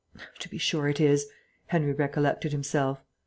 "To be sure it is," Henry recollected himself.